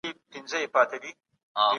حضوري تدريس د تمرين اصلاح بې مدیریت نه کيږي.